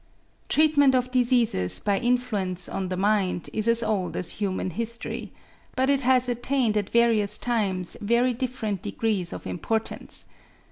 Treatment of diseases by influence on the mind is as old as human history, but it has attained at various times very different degrees of importance.